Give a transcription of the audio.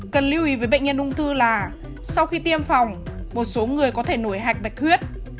cần lưu ý với bệnh nhân ung thư là sau khi tiêm phòng một số người có thể nổi hạch bạch huyết